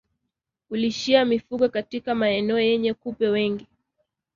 Kulishia mifugo katika maeneo yenye kupe wengi